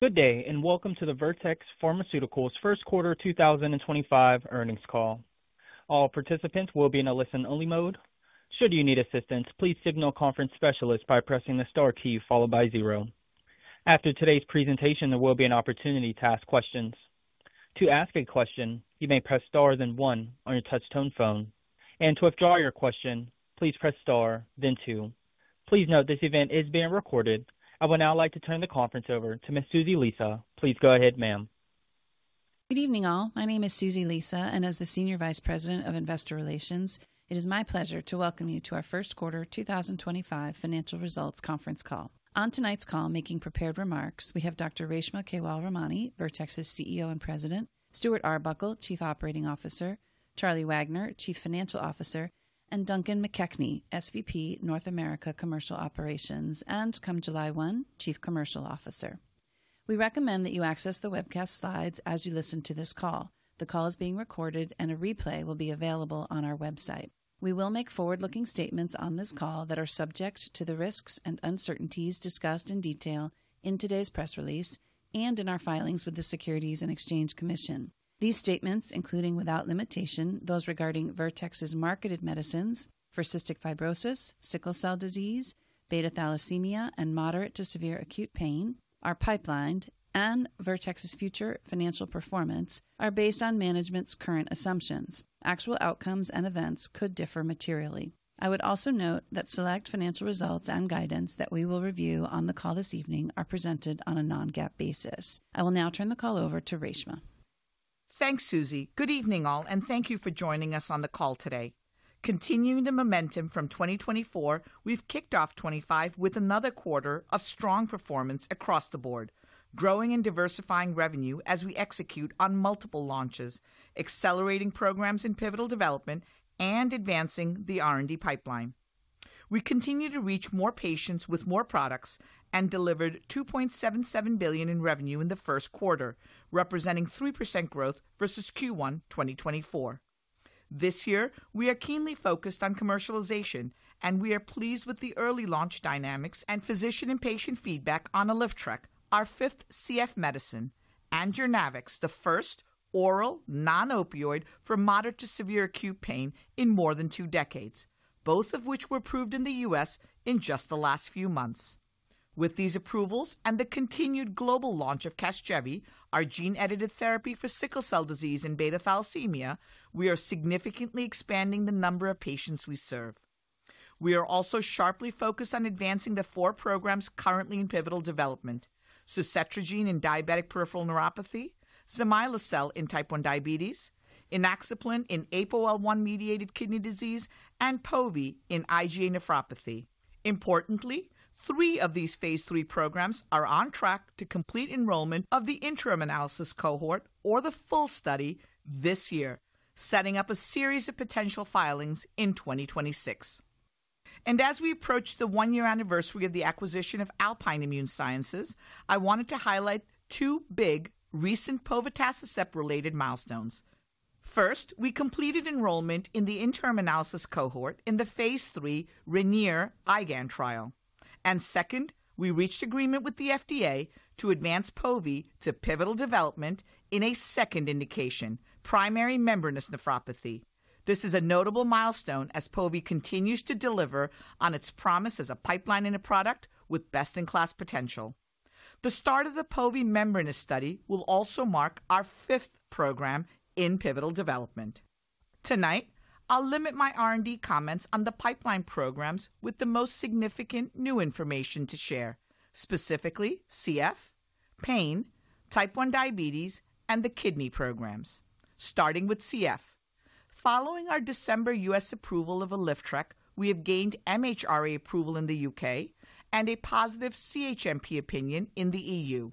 Good day, and welcome to the Vertex Pharmaceuticals' first quarter 2025 earnings call. All participants will be in a listen-only mode. Should you need assistance, please signal conference specialist by pressing the star key followed by zero. After today's presentation, there will be an opportunity to ask questions. To ask a question, you may press star, then one, on your touch-tone phone. To withdraw your question, please press star, then two. Please note this event is being recorded. I would now like to turn the conference over to Ms. Susie Lisa. Please go ahead, ma'am. Good evening, all. My name is Susie Lisa, and as the Senior Vice President of Investor Relations, it is my pleasure to welcome you to our first quarter 2025 financial results conference call. On tonight's call, making prepared remarks, we have Dr. Reshma Kewalramani, Vertex's CEO and President, Stuart Arbuckle, Chief Operating Officer, Charlie Wagner, Chief Financial Officer, and Duncan McKechnie, SVP, North America Commercial Operations and, come July 1, Chief Commercial Officer. We recommend that you access the webcast slides as you listen to this call. The call is being recorded, and a replay will be available on our website. We will make forward-looking statements on this call that are subject to the risks and uncertainties discussed in detail in today's press release and in our filings with the Securities and Exchange Commission. These statements, including without limitation, those regarding Vertex's marketed medicines for cystic fibrosis, sickle cell disease, beta thalassemia, and moderate to severe acute pain, our pipeline, and Vertex's future financial performance are based on management's current assumptions. Actual outcomes and events could differ materially. I would also note that select financial results and guidance that we will review on the call this evening are presented on a non-GAAP basis. I will now turn the call over to Reshma. Thanks, Susie. Good evening, all, and thank you for joining us on the call today. Continuing the momentum from 2024, we've kicked off 2025 with another quarter of strong performance across the board, growing and diversifying revenue as we execute on multiple launches, accelerating programs in pivotal development, and advancing the R&D pipeline. We continue to reach more patients with more products and delivered $2.77 billion in revenue in the first quarter, representing 3% growth versus Q1 2024. This year, we are keenly focused on commercialization, and we are pleased with the early launch dynamics and physician and patient feedback on Alyftrek, our fifth CF medicine, and Journavx, the first oral non-opioid for moderate to severe acute pain in more than two decades, both of which were approved in the U.S. in just the last few months. With these approvals and the continued global launch of CASGEVY, our gene-edited therapy for sickle cell disease and beta thalassemia, we are significantly expanding the number of patients we serve. We are also sharply focused on advancing the four programs currently in pivotal development: suzetrigine in diabetic peripheral neuropathy, zimislecel in type 1 diabetes, inaxaplin in apoL1-mediated kidney disease, and povetacicept in IgA nephropathy. Importantly, three of these phase III programs are on track to complete enrollment of the interim analysis cohort or the full study this year, setting up a series of potential filings in 2026. As we approach the one-year anniversary of the acquisition of Alpine Immune Sciences, I wanted to highlight two big recent povetacicept-related milestones. First, we completed enrollment in the interim analysis cohort in the phase III RANIER-IgAN trial. Second, we reached agreement with the FDA to advance POVI to pivotal development in a second indication, primary membranous nephropathy. This is a notable milestone as POVI continues to deliver on its promise as a pipeline in a product with best-in-class potential. The start of the POVI membranous study will also mark our fifth program in pivotal development. Tonight, I'll limit my R&D comments on the pipeline programs with the most significant new information to share, specifically CF, pain, type 1 diabetes, and the kidney programs. Starting with CF, following our December U.S. approval of Alyftrek, we have gained MHRA approval in the U.K. and a positive CHMP opinion in the EU.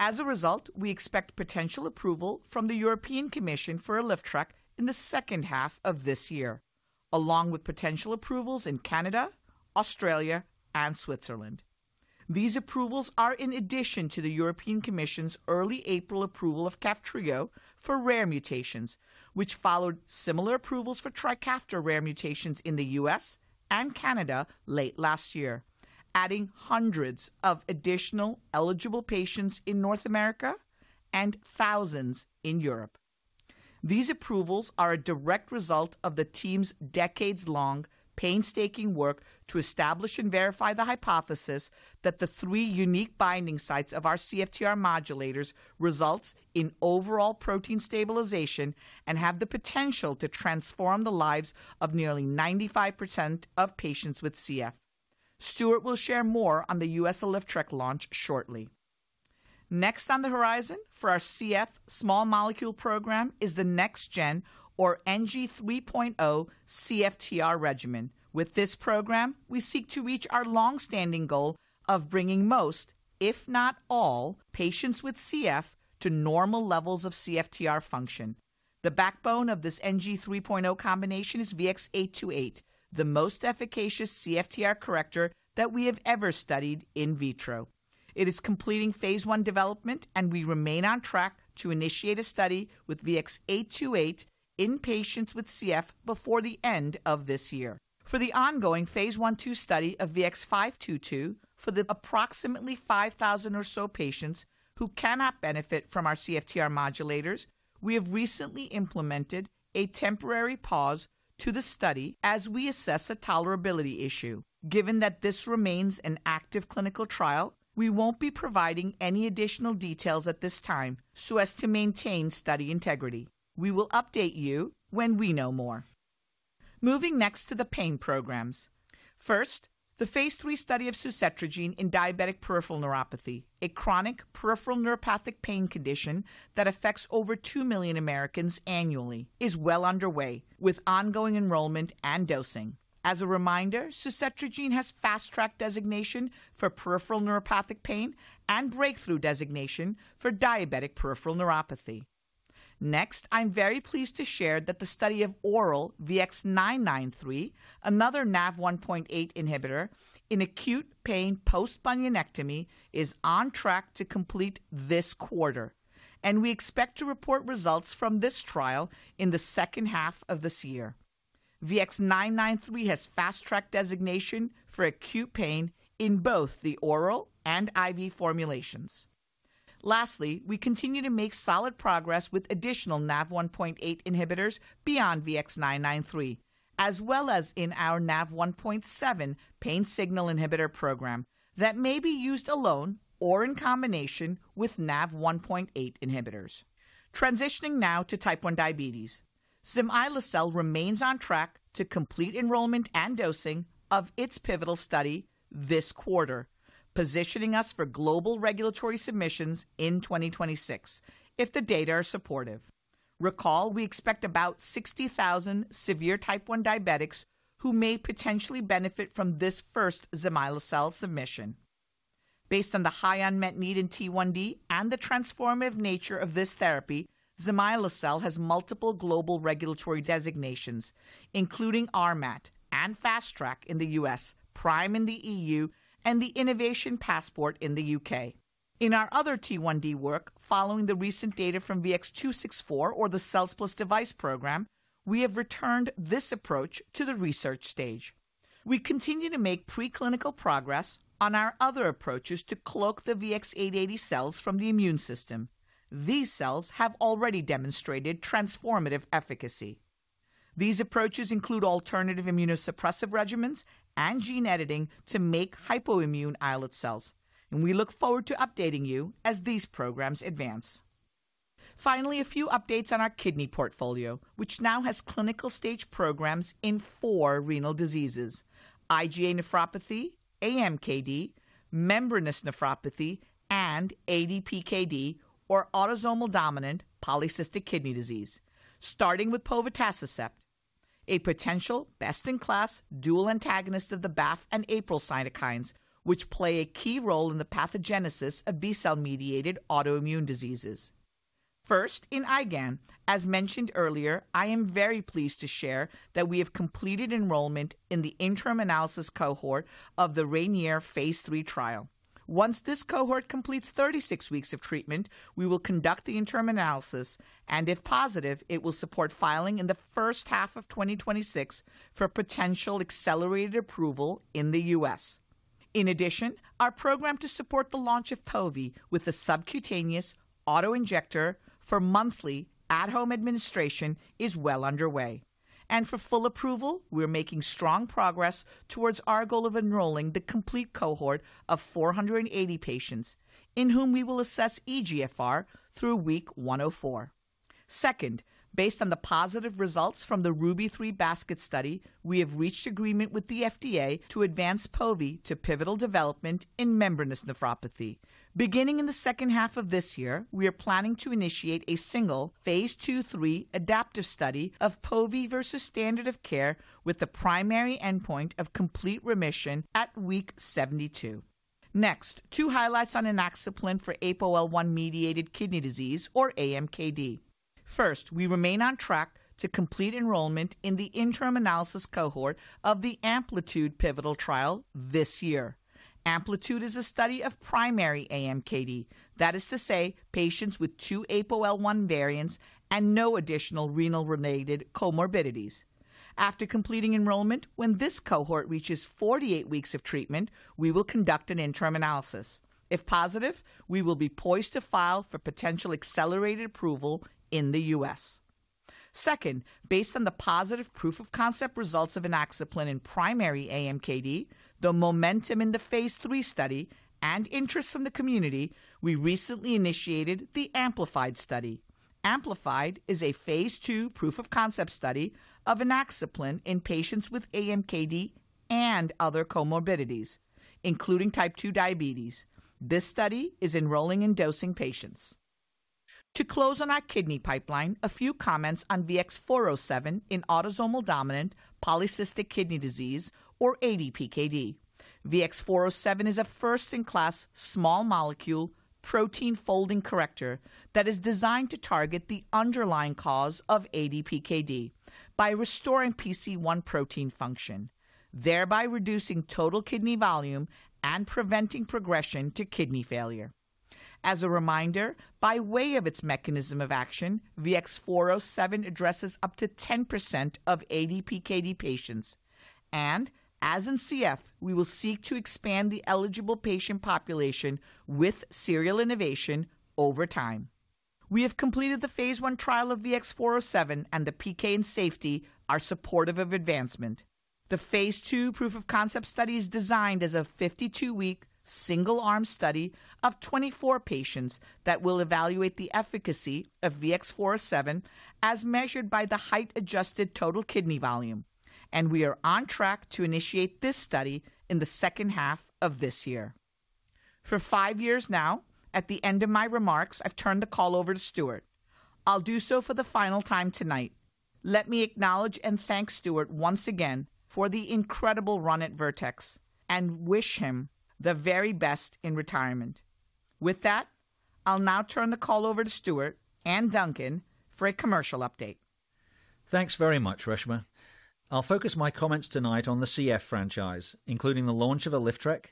As a result, we expect potential approval from the European Commission for Alyftrek in the second half of this year, along with potential approvals in Canada, Australia, and Switzerland. These approvals are in addition to the European Commission's early April approval of TRIKAFTA for rare mutations, which followed similar approvals for TRIKAFTA for rare mutations in the U.S. and Canada late last year, adding hundreds of additional eligible patients in North America and thousands in Europe. These approvals are a direct result of the team's decades-long painstaking work to establish and verify the hypothesis that the three unique binding sites of our CFTR modulators result in overall protein stabilization and have the potential to transform the lives of nearly 95% of patients with CF. Stuart will share more on the U.S. ALYFTREK launch shortly. Next on the horizon for our CF small molecule program is the next-generation, or NG3.0, CFTR regimen. With this program, we seek to reach our long-standing goal of bringing most, if not all, patients with CF to normal levels of CFTR function. The backbone of this NG3.0 combination is VX-828, the most efficacious CFTR corrector that we have ever studied in vitro. It is completing phase I development, and we remain on track to initiate a study with VX-828 in patients with CF before the end of this year. For the ongoing phase I-II study of VX-522 for the approximately 5,000 or so patients who cannot benefit from our CFTR modulators, we have recently implemented a temporary pause to the study as we assess a tolerability issue. Given that this remains an active clinical trial, we will not be providing any additional details at this time so as to maintain study integrity. We will update you when we know more. Moving next to the pain programs. First, the phase III study of suzetrigine in diabetic peripheral neuropathy, a chronic peripheral neuropathic pain condition that affects over 2 million Americans annually, is well underway with ongoing enrollment and dosing. As a reminder, suzetrigine has fast-track designation for peripheral neuropathic pain and breakthrough designation for diabetic peripheral neuropathy. Next, I'm very pleased to share that the study of oral VX-993, another NaV1.8 inhibitor in acute pain post-bunionectomy, is on track to complete this quarter, and we expect to report results from this trial in the second half of this year. VX-993 has fast-track designation for acute pain in both the oral and IV formulations. Lastly, we continue to make solid progress with additional NaV1.8 inhibitors beyond VX-993, as well as in our NAV1.7 pain signal inhibitor program that may be used alone or in combination with NaV1.8 inhibitors. Transitioning now to type 1 diabetes, zimislecel remains on track to complete enrollment and dosing of its pivotal study this quarter, positioning us for global regulatory submissions in 2026 if the data are supportive. Recall, we expect about 60,000 severe type 1 diabetics who may potentially benefit from this first zimislecel submission. Based on the high unmet need in T1D and the transformative nature of this therapy, zimislecel has multiple global regulatory designations, including RMAT and Fast Track in the U.S., Prime in the EU, and the Innovation Passport in the U.K. In our other T1D work, following the recent data from VX-264, or the CellSplice device program, we have returned this approach to the research stage. We continue to make preclinical progress on our other approaches to cloak the VX-880 cells from the immune system. These cells have already demonstrated transformative efficacy. These approaches include alternative immunosuppressive regimens and gene editing to make hypoimmune islet cells, and we look forward to updating you as these programs advance. Finally, a few updates on our kidney portfolio, which now has clinical stage programs in four renal diseases: IgA nephropathy, AMKD, membranous nephropathy, and ADPKD, or autosomal dominant polycystic kidney disease, starting with povetacicept, a potential best-in-class dual antagonist of the BAFF and APRIL cytokines, which play a key role in the pathogenesis of B-cell-mediated autoimmune diseases. First, in IGAN, as mentioned earlier, I am very pleased to share that we have completed enrollment in the interim analysis cohort of the RANIER phase III trial. Once this cohort completes 36 weeks of treatment, we will conduct the interim analysis, and if positive, it will support filing in the first half of 2026 for potential accelerated approval in the U.S. In addition, our program to support the launch of POVI with a subcutaneous autoinjector for monthly at-home administration is well underway. For full approval, we're making strong progress towards our goal of enrolling the complete cohort of 480 patients in whom we will assess eGFR through week 104. Second, based on the positive results from the RUBY-3 basket study, we have reached agreement with the FDA to advance POVI to pivotal development in membranous nephropathy. Beginning in the second half of this year, we are planning to initiate a single phase II/III adaptive study of POVI versus standard of care with the primary endpoint of complete remission at week 72. Next, two highlights on Inaxaplin for apoL1-mediated kidney disease, or AMKD. First, we remain on track to complete enrollment in the interim analysis cohort of the Amplitude pivotal trial this year. Amplitude is a study of primary AMKD, that is to say, patients with two apoL1 variants and no additional renal-related comorbidities. After completing enrollment, when this cohort reaches 48 weeks of treatment, we will conduct an interim analysis. If positive, we will be poised to file for potential accelerated approval in the U.S. Second, based on the positive proof-of-concept results of inaxaplin in primary AMKD, the momentum in the phase III study, and interest from the community, we recently initiated the Amplified study. Amplified is a phase II proof-of-concept study of inaxaplin in patients with AMKD and other comorbidities, including type 2 diabetes. This study is enrolling and dosing patients. To close on our kidney pipeline, a few comments on VX-407 in autosomal dominant polycystic kidney disease, or ADPKD. VX-407 is a first-in-class small molecule protein folding corrector that is designed to target the underlying cause of ADPKD by restoring PC1 protein function, thereby reducing total kidney volume and preventing progression to kidney failure. As a reminder, by way of its mechanism of action, VX-407 addresses up to 10% of ADPKD patients. As in CF, we will seek to expand the eligible patient population with serial innovation over time. We have completed the phase I trial of VX-407, and the PK and safety are supportive of advancement. The phase II proof-of-concept study is designed as a 52-week single-arm study of 24 patients that will evaluate the efficacy of VX-407 as measured by the height-adjusted total kidney volume. We are on track to initiate this study in the second half of this year. For five years now, at the end of my remarks, I've turned the call over to Stuart. I'll do so for the final time tonight. Let me acknowledge and thank Stuart once again for the incredible run at Vertex and wish him the very best in retirement. With that, I'll now turn the call over to Stuart and Duncan for a commercial update. Thanks very much, Reshma. I'll focus my comments tonight on the CF franchise, including the launch of Alyftrek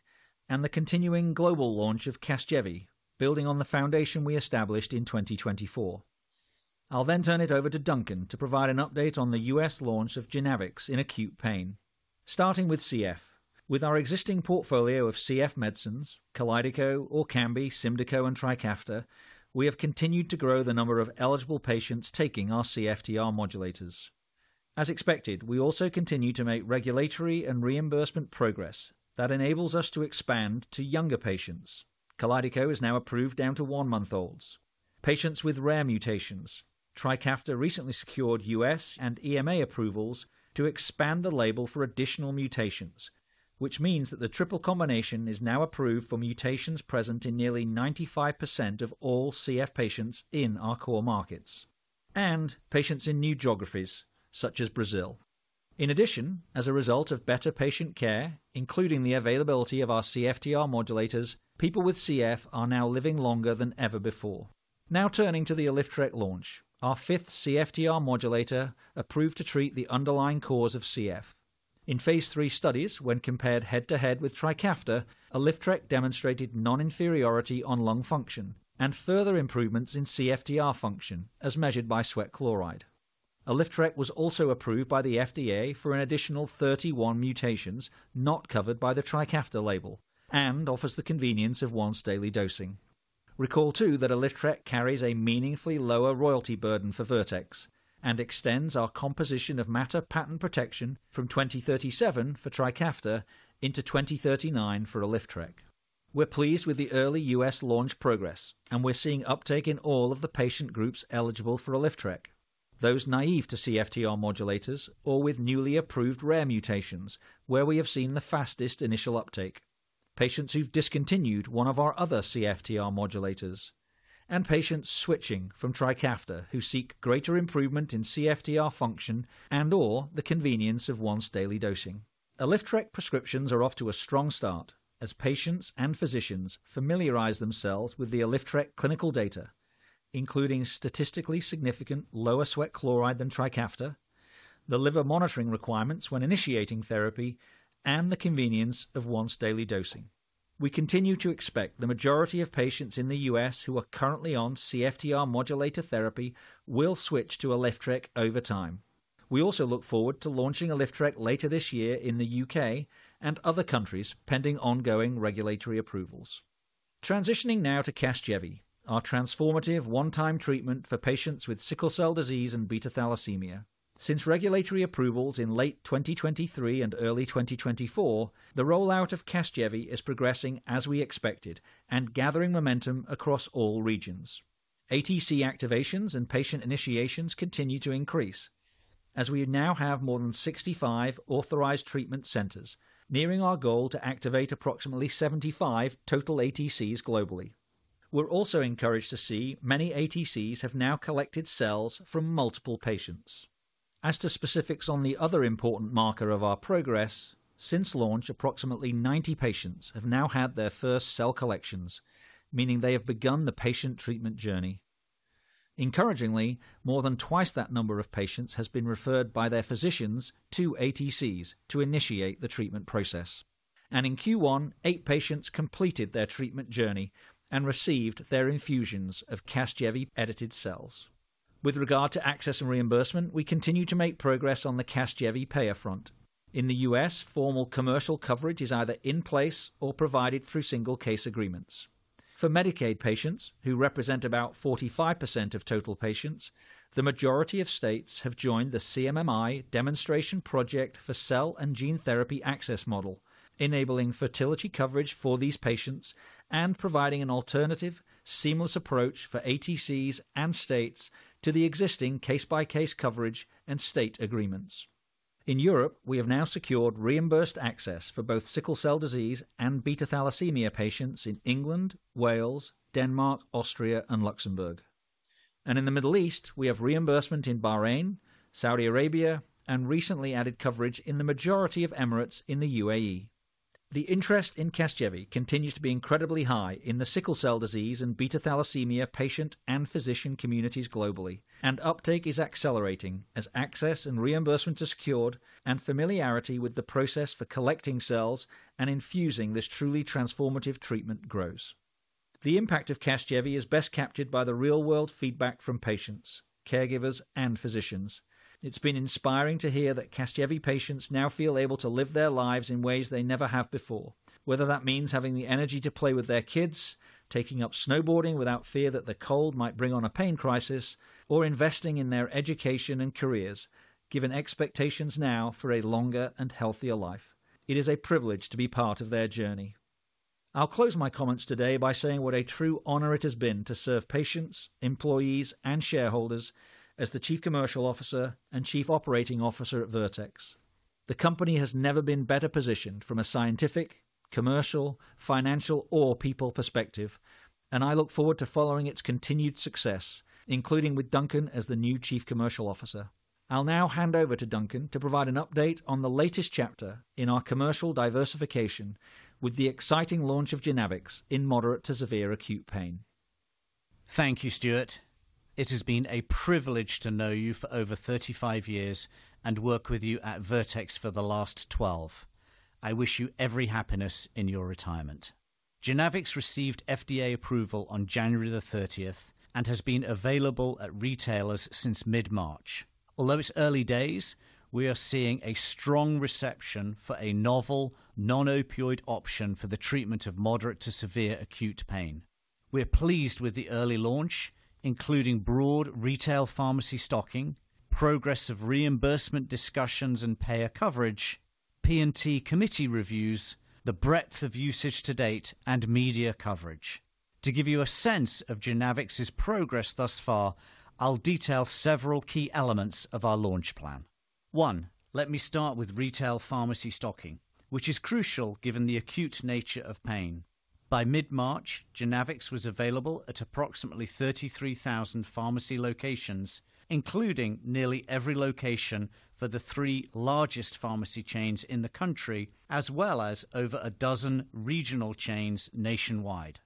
and the continuing global launch of CASGEVY, building on the foundation we established in 2024. I'll then turn it over to Duncan to provide an update on the U.S. launch of Journavx in acute pain. Starting with CF, with our existing portfolio of CF medicines, Kalydeco, Orkambi, Symdeko, and Trikafta, we have continued to grow the number of eligible patients taking our CFTR modulators. As expected, we also continue to make regulatory and reimbursement progress that enables us to expand to younger patients. Kalydeco is now approved down to one-month-olds. Patients with rare mutations, Trikafta recently secured U.S. and EMA approvals to expand the label for additional mutations, which means that the triple combination is now approved for mutations present in nearly 95% of all CF patients in our core markets and patients in new geographies such as Brazil. In addition, as a result of better patient care, including the availability of our CFTR modulators, people with CF are now living longer than ever before. Now turning to the Alyftrek launch, our fifth CFTR modulator approved to treat the underlying cause of CF. In phase III studies, when compared head-to-head with Trikafta, Alyftrek demonstrated non-inferiority on lung function and further improvements in CFTR function as measured by sweat chloride. Alyftrek was also approved by the FDA for an additional 31 mutations not covered by the Trikafta label and offers the convenience of once-daily dosing. Recall too that Alyftrek carries a meaningfully lower royalty burden for Vertex and extends our composition of matter patent protection from 2037 for Trikafta into 2039 for Alyftrek. We're pleased with the early U.S. launch progress, and we're seeing uptake in all of the patient groups eligible for Alyftrek, those naive to CFTR modulators or with newly approved rare mutations, where we have seen the fastest initial uptake, patients who've discontinued one of our other CFTR modulators, and patients switching from Trikafta who seek greater improvement in CFTR function and/or the convenience of once-daily dosing. Alyftrek prescriptions are off to a strong start as patients and physicians familiarize themselves with the Alyftrek clinical data, including statistically significant lower sweat chloride than Trikafta, the liver monitoring requirements when initiating therapy, and the convenience of once-daily dosing. We continue to expect the majority of patients in the U.S. who are currently on CFTR modulator therapy will switch to Alyftrek over time. We also look forward to launching Alyftrek later this year in the U.K. and other countries pending ongoing regulatory approvals. Transitioning now to CASGEVY, our transformative one-time treatment for patients with sickle cell disease and beta thalassemia. Since regulatory approvals in late 2023 and early 2024, the rollout of CASGEVY is progressing as we expected and gathering momentum across all regions. ATC activations and patient initiations continue to increase as we now have more than 65 authorized treatment centers, nearing our goal to activate approximately 75 total ATCs globally. We're also encouraged to see many ATCs have now collected cells from multiple patients. As to specifics on the other important marker of our progress, since launch, approximately 90 patients have now had their first cell collections, meaning they have begun the patient treatment journey. Encouragingly, more than twice that number of patients has been referred by their physicians to ATCs to initiate the treatment process. In Q1, eight patients completed their treatment journey and received their infusions of CASGEVY-edited cells. With regard to access and reimbursement, we continue to make progress on the CASGEVY payer front. In the U.S., formal commercial coverage is either in place or provided through single case agreements. For Medicaid patients, who represent about 45% of total patients, the majority of states have joined the CMMI Demonstration Project for Cell and Gene Therapy Access Model, enabling fertility coverage for these patients and providing an alternative, seamless approach for ATCs and states to the existing case-by-case coverage and state agreements. In Europe, we have now secured reimbursed access for both sickle cell disease and beta thalassemia patients in England, Wales, Denmark, Austria, and Luxembourg. In the Middle East, we have reimbursement in Bahrain, Saudi Arabia, and recently added coverage in the majority of Emirates in the UAE. The interest in CASGEVY continues to be incredibly high in the sickle cell disease and beta thalassemia patient and physician communities globally, and uptake is accelerating as access and reimbursement are secured and familiarity with the process for collecting cells and infusing this truly transformative treatment grows. The impact of CASGEVY is best captured by the real-world feedback from patients, caregivers, and physicians. It's been inspiring to hear that CASGEVY patients now feel able to live their lives in ways they never have before, whether that means having the energy to play with their kids, taking up snowboarding without fear that the cold might bring on a pain crisis, or investing in their education and careers, given expectations now for a longer and healthier life. It is a privilege to be part of their journey. I'll close my comments today by saying what a true honor it has been to serve patients, employees, and shareholders as the Chief Commercial Officer and Chief Operating Officer at Vertex. The company has never been better positioned from a scientific, commercial, financial, or people perspective, and I look forward to following its continued success, including with Duncan as the new Chief Commercial Officer. I'll now hand over to Duncan to provide an update on the latest chapter in our commercial diversification with the exciting launch of Journavx in moderate to severe acute pain. Thank you, Stuart. It has been a privilege to know you for over 35 years and work with you at Vertex for the last 12. I wish you every happiness in your retirement. Journavx received FDA approval on January the 30th and has been available at retailers since mid-March. Although it's early days, we are seeing a strong reception for a novel non-opioid option for the treatment of moderate to severe acute pain. We're pleased with the early launch, including broad retail pharmacy stocking, progress of reimbursement discussions and payer coverage, P&T committee reviews, the breadth of usage to date, and media coverage. To give you a sense of Journavx's progress thus far, I'll detail several key elements of our launch plan. One, let me start with retail pharmacy stocking, which is crucial given the acute nature of pain. By mid-March, Journavx was available at approximately 33,000 pharmacy locations, including nearly every location for the three largest pharmacy chains in the country, as well as over a dozen regional chains nationwide.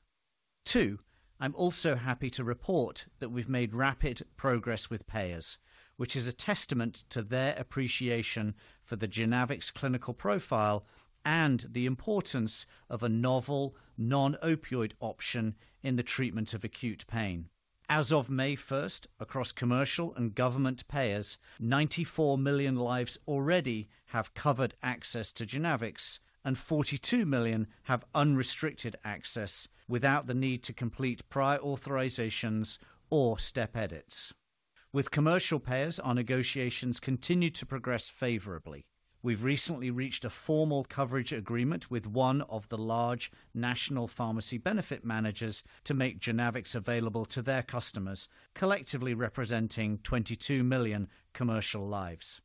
Two, I'm also happy to report that we've made rapid progress with payers, which is a testament to their appreciation for the Journavx clinical profile and the importance of a novel non-opioid option in the treatment of acute pain. As of May 1, across commercial and government payers, 94 million lives already have covered access to Journavx, and 42 million have unrestricted access without the need to complete prior authorizations or step edits. With commercial payers, our negotiations continue to progress favorably. We've recently reached a formal coverage agreement with one of the large national pharmacy benefit managers to make Journavx available to their customers, collectively representing 22 million commercial lives.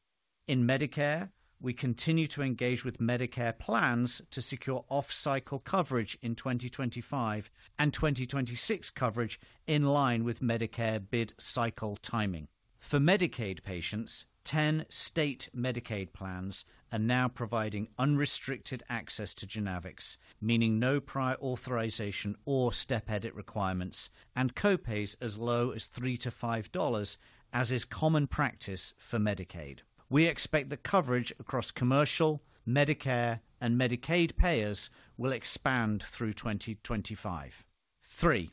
In Medicare, we continue to engage with Medicare plans to secure off-cycle coverage in 2025 and 2026 coverage in line with Medicare bid cycle timing. For Medicaid patients, 10 state Medicaid plans are now providing unrestricted access to Journavx, meaning no prior authorization or step edit requirements and co-pays as low as $3 to $5, as is common practice for Medicaid. We expect the coverage across commercial, Medicare, and Medicaid payers will expand through 2025. Three,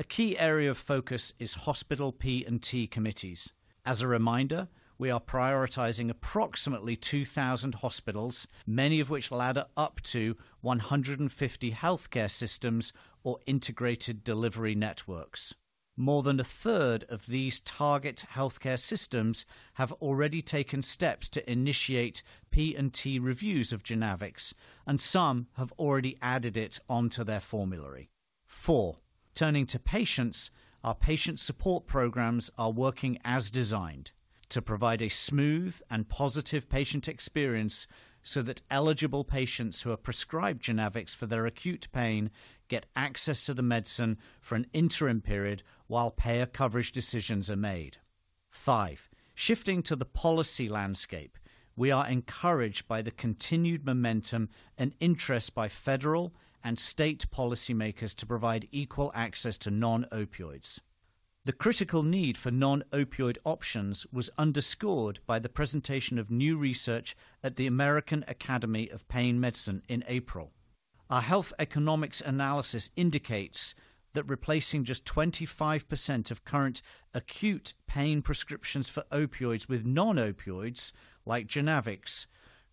a key area of focus is hospital P&T committees. As a reminder, we are prioritizing approximately 2,000 hospitals, many of which ladder up to 150 healthcare systems or integrated delivery networks. More than a third of these target healthcare systems have already taken steps to initiate P&T reviews of Journavx, and some have already added it onto their formulary. Four, turning to patients, our patient support programs are working as designed to provide a smooth and positive patient experience so that eligible patients who are prescribed Journavx for their acute pain get access to the medicine for an interim period while payer coverage decisions are made. Five, shifting to the policy landscape, we are encouraged by the continued momentum and interest by federal and state policymakers to provide equal access to non-opioids. The critical need for non-opioid options was underscored by the presentation of new research at the American Academy of Pain Medicine in April. Our health economics analysis indicates that replacing just 25% of current acute pain prescriptions for opioids with non-opioids like Journavx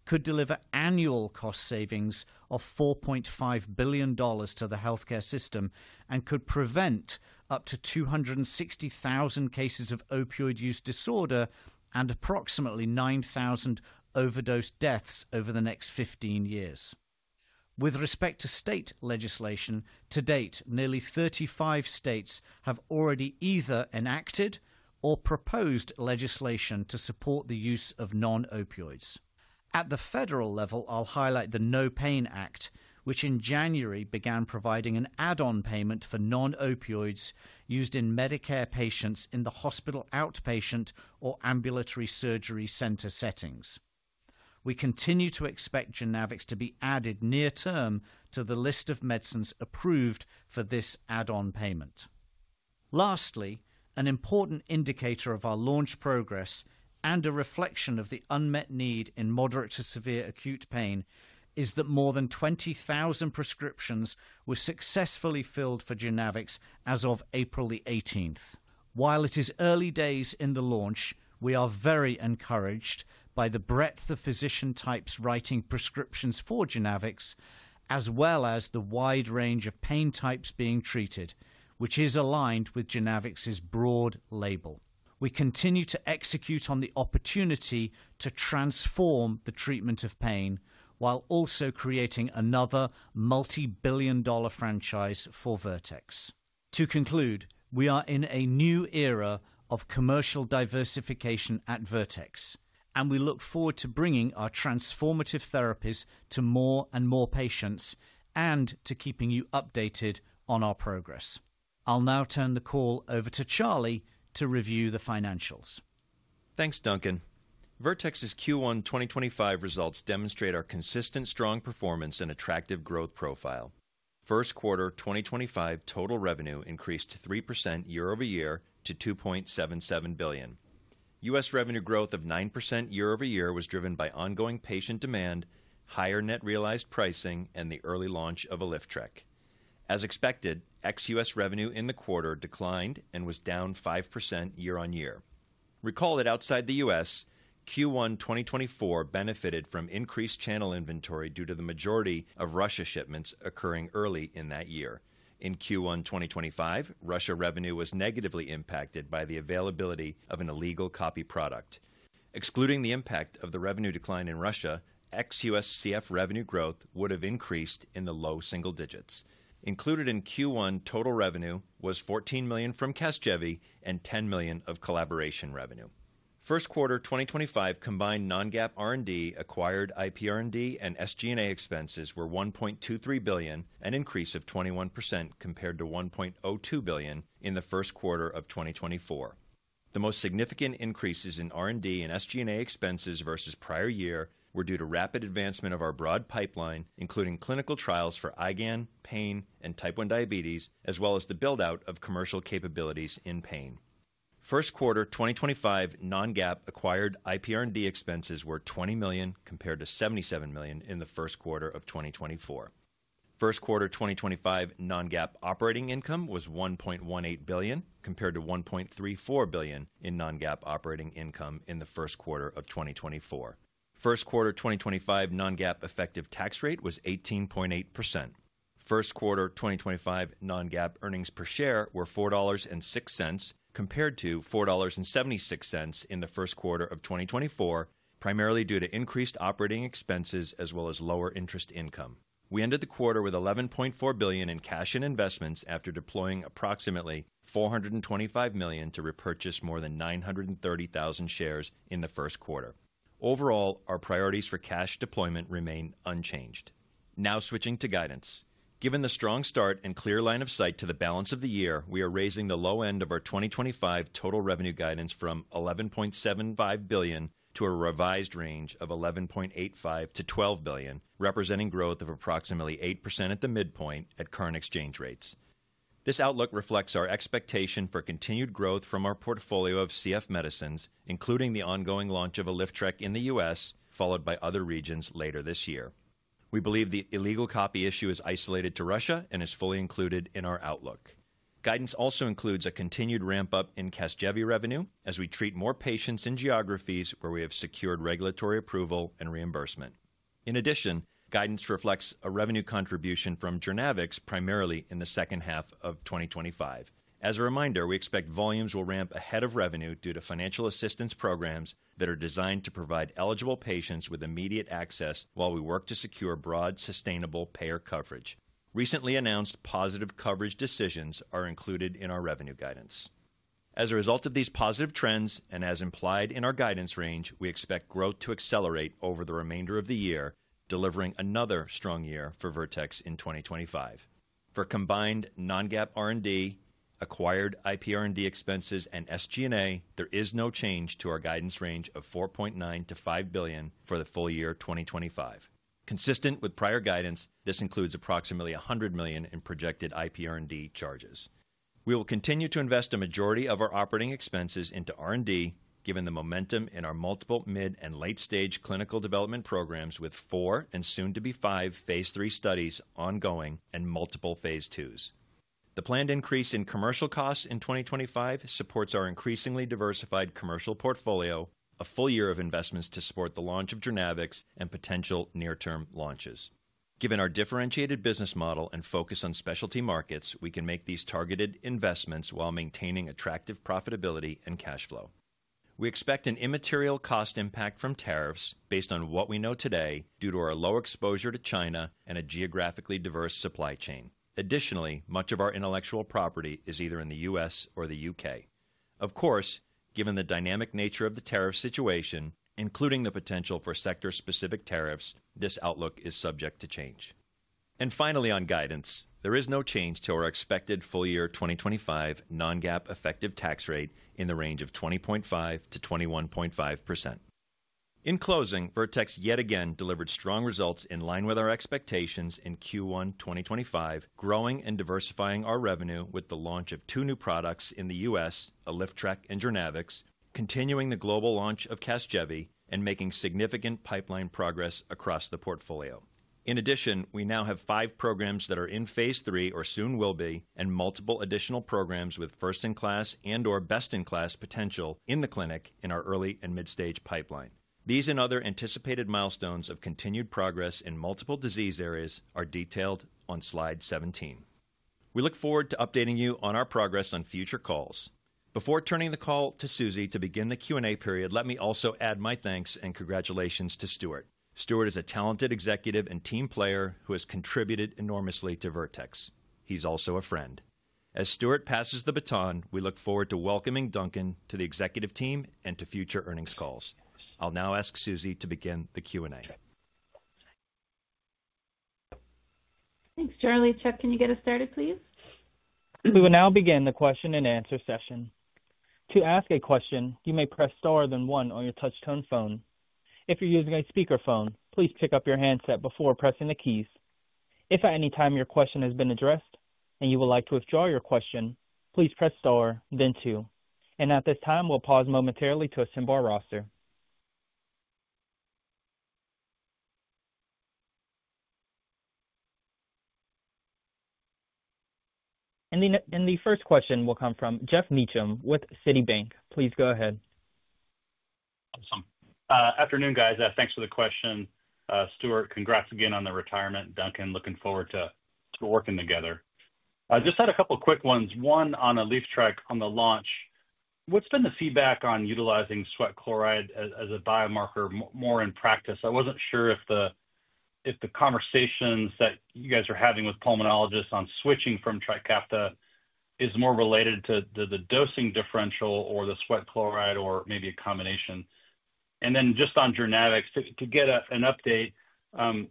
could deliver annual cost savings of $4.5 billion to the healthcare system and could prevent up to 260,000 cases of opioid use disorder and approximately 9,000 overdose deaths over the next 15 years. With respect to state legislation, to date, nearly 35 states have already either enacted or proposed legislation to support the use of non-opioids. At the federal level, I'll highlight the NOPAIN Act, which in January began providing an add-on payment for non-opioids used in Medicare patients in the hospital outpatient or ambulatory surgery center settings. We continue to expect Journavx to be added near-term to the list of medicines approved for this add-on payment. Lastly, an important indicator of our launch progress and a reflection of the unmet need in moderate to severe acute pain is that more than 20,000 prescriptions were successfully filled for Journavx as of April the 18th. While it is early days in the launch, we are very encouraged by the breadth of physician types writing prescriptions for Journavx, as well as the wide range of pain types being treated, which is aligned with Journavx's broad label. We continue to execute on the opportunity to transform the treatment of pain while also creating another multi-billion dollar franchise for Vertex. To conclude, we are in a new era of commercial diversification at Vertex, and we look forward to bringing our transformative therapies to more and more patients and to keeping you updated on our progress. I'll now turn the call over to Charlie to review the financials. Thanks, Duncan. Vertex's Q1 2025 results demonstrate our consistent, strong performance and attractive growth profile. First quarter 2025 total revenue increased 3% year over year to $2.77 billion. U.S. revenue growth of 9% year over year was driven by ongoing patient demand, higher net realized pricing, and the early launch of Alyftrek. As expected, ex-U.S. revenue in the quarter declined and was down 5% year on year. Recall that outside the U.S., Q1 2024 benefited from increased channel inventory due to the majority of Russia shipments occurring early in that year. In Q1 2025, Russia revenue was negatively impacted by the availability of an illegal copy product. Excluding the impact of the revenue decline in Russia, ex-U.S. CF revenue growth would have increased in the low single digits. Included in Q1 total revenue was $14 million from CASGEVY and $10 million of collaboration revenue. First quarter 2025 combined non-GAAP R&D acquired IP R&D and SG&A expenses were $1.23 billion, an increase of 21% compared to $1.02 billion in the first quarter of 2024. The most significant increases in R&D and SG&A expenses versus prior year were due to rapid advancement of our broad pipeline, including clinical trials for IgAN, pain, and type 1 diabetes, as well as the build-out of commercial capabilities in pain. First quarter 2025 non-GAAP acquired IP R&D expenses were $20 million compared to $77 million in the first quarter of 2024. First quarter 2025 non-GAAP operating income was $1.18 billion compared to $1.34 billion in non-GAAP operating income in the first quarter of 2024. First quarter 2025 non-GAAP effective tax rate was 18.8%. First quarter 2025 non-GAAP earnings per share were $4.06 compared to $4.76 in the first quarter of 2024, primarily due to increased operating expenses as well as lower interest income. We ended the quarter with $11.4 billion in cash and investments after deploying approximately $425 million to repurchase more than 930,000 shares in the first quarter. Overall, our priorities for cash deployment remain unchanged. Now switching to guidance. Given the strong start and clear line of sight to the balance of the year, we are raising the low end of our 2025 total revenue guidance from $11.75 billion to a revised range of $11.85-$12 billion, representing growth of approximately 8% at the midpoint at current exchange rates. This outlook reflects our expectation for continued growth from our portfolio of CF medicines, including the ongoing launch of Alyftrek in the U.S., followed by other regions later this year. We believe the illegal copy issue is isolated to Russia and is fully included in our outlook. Guidance also includes a continued ramp-up in CASGEVY revenue as we treat more patients in geographies where we have secured regulatory approval and reimbursement. In addition, guidance reflects a revenue contribution from Alpine Immune Sciences primarily in the second half of 2025. As a reminder, we expect volumes will ramp ahead of revenue due to financial assistance programs that are designed to provide eligible patients with immediate access while we work to secure broad, sustainable payer coverage. Recently announced positive coverage decisions are included in our revenue guidance. As a result of these positive trends and as implied in our guidance range, we expect growth to accelerate over the remainder of the year, delivering another strong year for Vertex in 2025. For combined non-GAAP R&D, acquired IP R&D expenses, and SG&A, there is no change to our guidance range of $4.9 billion-$5 billion for the full year 2025. Consistent with prior guidance, this includes approximately $100 million in projected IP R&D charges. We will continue to invest a majority of our operating expenses into R&D, given the momentum in our multiple mid and late-stage clinical development programs with four and soon to be five phase three studies ongoing and multiple phase twos. The planned increase in commercial costs in 2025 supports our increasingly diversified commercial portfolio, a full year of investments to support the launch of Journavx and potential near-term launches. Given our differentiated business model and focus on specialty markets, we can make these targeted investments while maintaining attractive profitability and cash flow. We expect an immaterial cost impact from tariffs based on what we know today due to our low exposure to China and a geographically diverse supply chain. Additionally, much of our intellectual property is either in the U.S. or the U.K. Of course, given the dynamic nature of the tariff situation, including the potential for sector-specific tariffs, this outlook is subject to change. Finally, on guidance, there is no change to our expected full year 2025 non-GAAP effective tax rate in the range of 20.5-21.5%. In closing, Vertex yet again delivered strong results in line with our expectations in Q1 2025, growing and diversifying our revenue with the launch of two new products in the U.S., Alyftrek and Journavx, continuing the global launch of CASGEVY and making significant pipeline progress across the portfolio. In addition, we now have five programs that are in phase three or soon will be, and multiple additional programs with first-in-class and/or best-in-class potential in the clinic in our early and mid-stage pipeline. These and other anticipated milestones of continued progress in multiple disease areas are detailed on slide 17. We look forward to updating you on our progress on future calls. Before turning the call to Susie to begin the Q&A period, let me also add my thanks and congratulations to Stuart. Stuart is a talented executive and team player who has contributed enormously to Vertex. He's also a friend. As Stuart passes the baton, we look forward to welcoming Duncan to the executive team and to future earnings calls. I'll now ask Susie to begin the Q&A. Thanks, Charlie. Chuck, can you get us started, please? We will now begin the question and answer session. To ask a question, you may press star then one on your touch-tone phone. If you're using a speakerphone, please pick up your handset before pressing the keys. If at any time your question has been addressed and you would like to withdraw your question, please press star, then two. At this time, we'll pause momentarily to assemble our roster. The first question will come from Geoff Meacham with Citibank. Please go ahead. Awesome. Afternoon, guys. Thanks for the question. Stuart, congrats again on the retirement. Duncan, looking forward to working together. Just had a couple of quick ones. One on Alyftrek on the launch. What's been the feedback on utilizing sweat chloride as a biomarker more in practice? I wasn't sure if the conversations that you guys are having with pulmonologists on switching from Trikafta is more related to the dosing differential or the sweat chloride or maybe a combination. Just on Journavx, to get an update,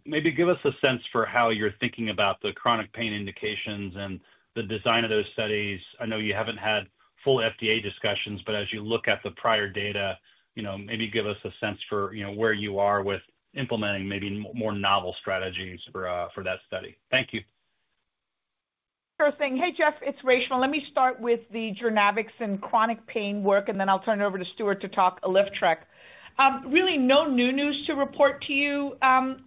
maybe give us a sense for how you're thinking about the chronic pain indications and the design of those studies. I know you haven't had full FDA discussions, but as you look at the prior data, maybe give us a sense for where you are with implementing maybe more novel strategies for that study. Thank you. First thing, hey, Jeff, it's Reshma. Let me start with the Journavx and chronic pain work, and then I'll turn it over to Stuart to talk Alyftrek. Really no new news to report to you,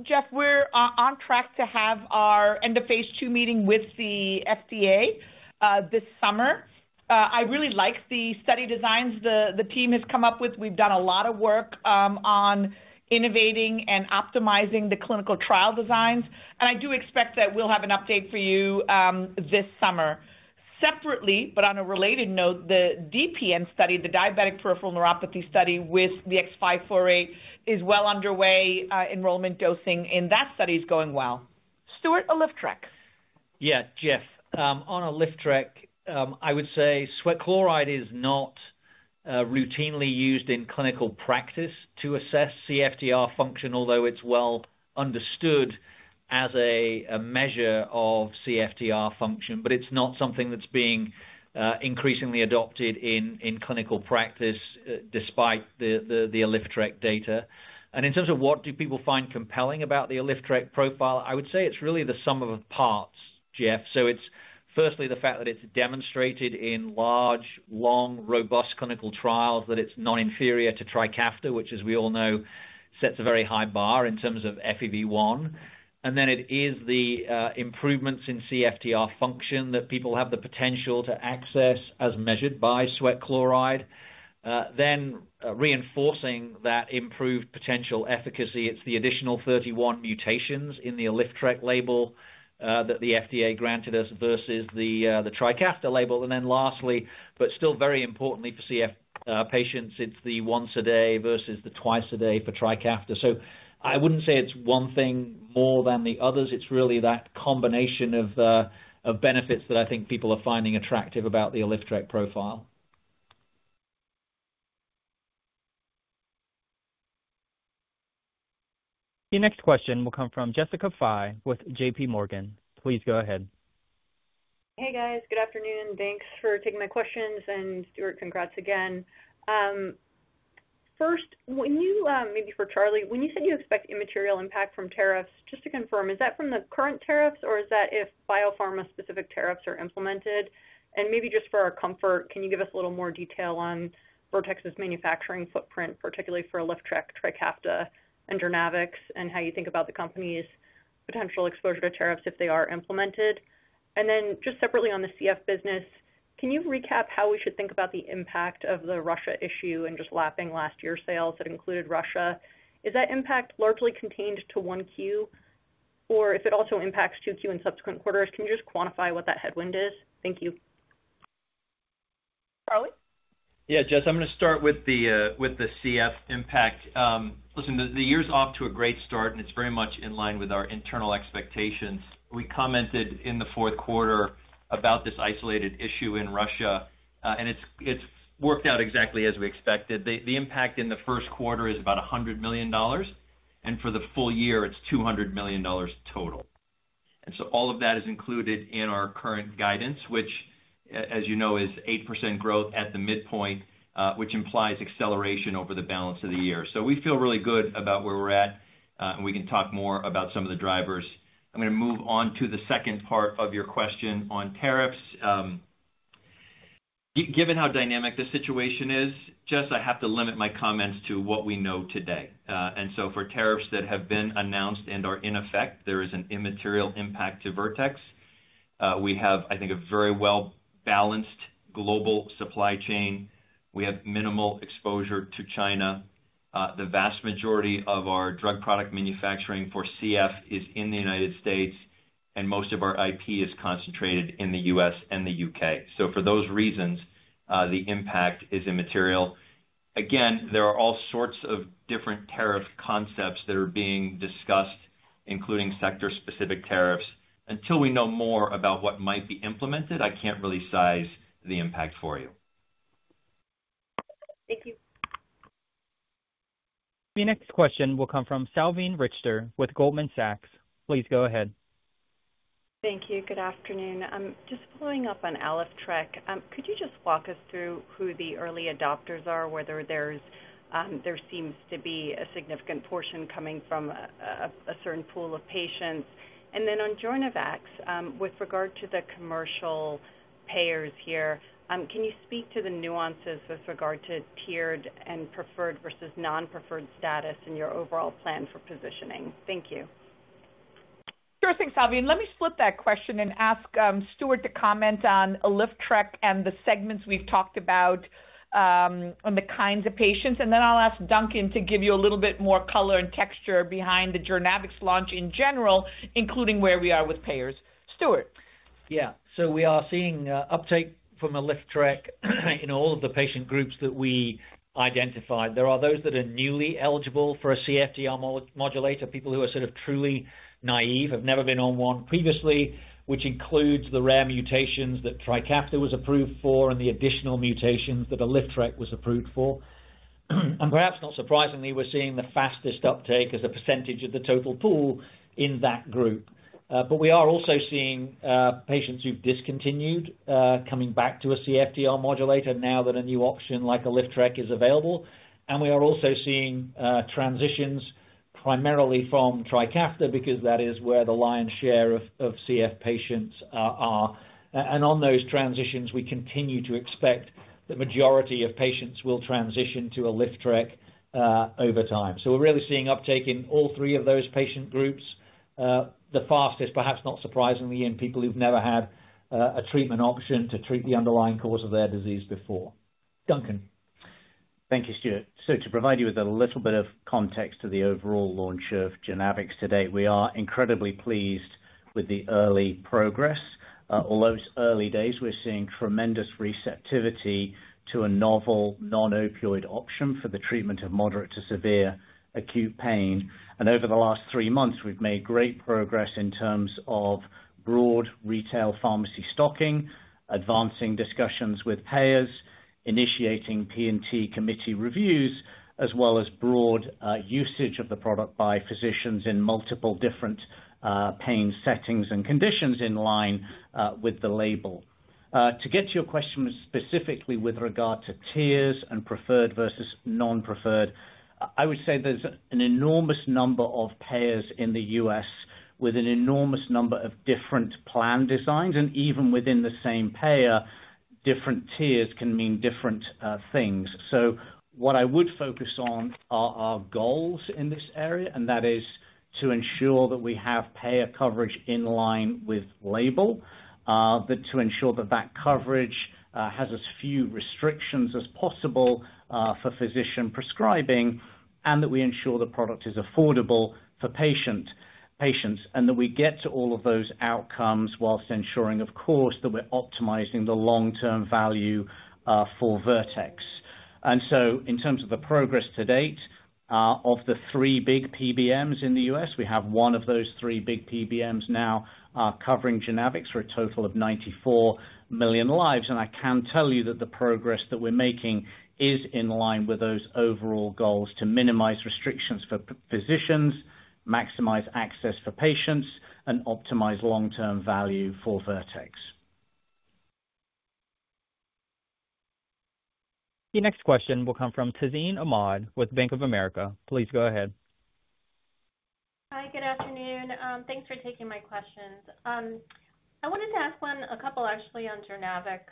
Jeff. We're on track to have our end-of-phase two meeting with the FDA this summer. I really like the study designs the team has come up with. We've done a lot of work on innovating and optimizing the clinical trial designs. I do expect that we'll have an update for you this summer. Separately, but on a related note, the DPN study, the diabetic peripheral neuropathy study with the VX-548, is well underway. Enrollment dosing in that study is going well. Stuart, Alyftrek. Yeah, Jeff, on Alyftrek, I would say sweat chloride is not routinely used in clinical practice to assess CFTR function, although it is well understood as a measure of CFTR function, but it is not something that is being increasingly adopted in clinical practice despite the Alyftrek data. In terms of what do people find compelling about the Alyftrek profile, I would say it is really the sum of parts, Jeff. It is firstly the fact that it is demonstrated in large, long, robust clinical trials that it is not inferior to Trikafta, which, as we all know, sets a very high bar in terms of FEV1. It is the improvements in CFTR function that people have the potential to access as measured by sweat chloride. Reinforcing that improved potential efficacy, it's the additional 31 mutations in the Alyftrek label that the FDA granted us versus the Trikafta label. Lastly, but still very importantly for CF patients, it's the once a day versus the twice a day for Trikafta. I wouldn't say it's one thing more than the others. It's really that combination of benefits that I think people are finding attractive about the Alyftrek profile. The next question will come from Jessica Fye with JP Morgan. Please go ahead. Hey, guys. Good afternoon. Thanks for taking my questions. Stuart, congrats again. First, maybe for Charlie, when you said you expect immaterial impact from tariffs, just to confirm, is that from the current tariffs or is that if biopharma-specific tariffs are implemented? Maybe just for our comfort, can you give us a little more detail on Vertex's manufacturing footprint, particularly for Alyftrek, Trikafta, and Journavx, and how you think about the company's potential exposure to tariffs if they are implemented? Just separately on the CF business, can you recap how we should think about the impact of the Russia issue and just lapping last year's sales that included Russia? Is that impact largely contained to one quarter? If it also impacts two quarters and subsequent quarters, can you just quantify what that headwind is? Thank you. Charlie? Yeah, Jess, I'm going to start with the CF impact. Listen, the year's off to a great start, and it's very much in line with our internal expectations. We commented in the fourth quarter about this isolated issue in Russia, and it's worked out exactly as we expected. The impact in the first quarter is about $100 million, and for the full year, it's $200 million total. All of that is included in our current guidance, which, as you know, is 8% growth at the midpoint, which implies acceleration over the balance of the year. We feel really good about where we're at, and we can talk more about some of the drivers. I'm going to move on to the second part of your question on tariffs. Given how dynamic the situation is, Jess, I have to limit my comments to what we know today. For tariffs that have been announced and are in effect, there is an immaterial impact to Vertex. We have, I think, a very well-balanced global supply chain. We have minimal exposure to China. The vast majority of our drug product manufacturing for CF is in the U.S., and most of our IP is concentrated in the U.S. and the U.K. For those reasons, the impact is immaterial. Again, there are all sorts of different tariff concepts that are being discussed, including sector-specific tariffs. Until we know more about what might be implemented, I can't really size the impact for you. Thank you. The next question will come from Salveen Richter with Goldman Sachs. Please go ahead. Thank you. Good afternoon. Just following up on Alyftrek, could you just walk us through who the early adopters are, whether there seems to be a significant portion coming from a certain pool of patients? And then on Journavx, with regard to the commercial payers here, can you speak to the nuances with regard to tiered and preferred versus non-preferred status in your overall plan for positioning? Thank you. Sure thing, Salveen. Let me flip that question and ask Stuart to comment on Alyftrek and the segments we've talked about on the kinds of patients. Then I'll ask Duncan to give you a little bit more color and texture behind the Journavx launch in general, including where we are with payers. Stuart. Yeah. We are seeing uptake from Alyftrek in all of the patient groups that we identified. There are those that are newly eligible for a CFTR modulator, people who are sort of truly naive, have never been on one previously, which includes the rare mutations that Trikafta was approved for and the additional mutations that Alyftrek was approved for. Perhaps not surprisingly, we're seeing the fastest uptake as a percentage of the total pool in that group. We are also seeing patients who've discontinued coming back to a CFTR modulator now that a new option like Alyftrek is available. We are also seeing transitions primarily from Trikafta because that is where the lion's share of CF patients are. On those transitions, we continue to expect the majority of patients will transition to Alyftrek over time. We're really seeing uptake in all three of those patient groups, the fastest, perhaps not surprisingly, in people who've never had a treatment option to treat the underlying cause of their disease before. Duncan. Thank you, Stuart. To provide you with a little bit of context to the overall launch of Alyftrek today, we are incredibly pleased with the early progress. Although it's early days, we're seeing tremendous receptivity to a novel non-opioid option for the treatment of moderate to severe acute pain. Over the last three months, we've made great progress in terms of broad retail pharmacy stocking, advancing discussions with payers, initiating P&T committee reviews, as well as broad usage of the product by physicians in multiple different pain settings and conditions in line with the label. To get to your question specifically with regard to tiers and preferred versus non-preferred, I would say there's an enormous number of payers in the U.S. with an enormous number of different plan designs. Even within the same payer, different tiers can mean different things. What I would focus on are our goals in this area, and that is to ensure that we have payer coverage in line with label, to ensure that that coverage has as few restrictions as possible for physician prescribing, and that we ensure the product is affordable for patients, and that we get to all of those outcomes whilst ensuring, of course, that we're optimizing the long-term value for Vertex. In terms of the progress to date, of the three big PBMs in the U.S., we have one of those three big PBMs now covering Journavx for a total of 94 million lives. I can tell you that the progress that we're making is in line with those overall goals to minimize restrictions for physicians, maximize access for patients, and optimize long-term value for Vertex. The next question will come from Tazeen Ahmad with Bank of America. Please go ahead. Hi, good afternoon. Thanks for taking my questions. I wanted to ask a couple actually onJournavx.